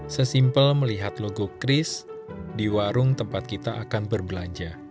sesimpel melihat logo kris di warung tempat kita akan berbelanja